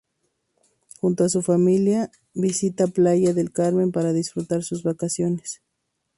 Junto a su familia visita Playa del Carmen para disfrutar sus vacaciones.